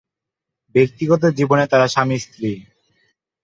ব্যক্তিগত জীবনে তারা স্বামী- স্ত্রী।